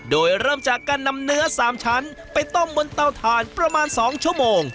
โดยเริ่มจากการนำเนื้อ๓ชั้นไปต้มบนเตาถ่านประมาณ๒ชั่วโมง